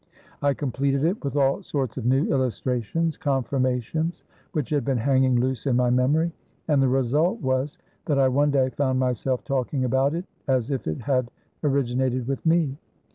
I completed it with all sorts of new illustrations, confirmations, which had been hanging loose in my memory, and the result was that I one day found myself talking about it as if it had originated with me.